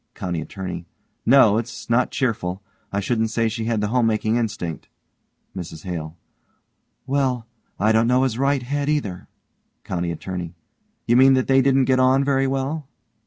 COUNTY ATTORNEY: No it's not cheerful. I shouldn't say she had the homemaking instinct. MRS HALE: Well, I don't know as Wright had, either. COUNTY ATTORNEY: You mean that they didn't get on very well?